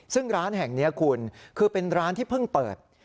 ซึ่งร้านแห่งนี้คุณคือเป็นร้านที่เพิ่งเปิด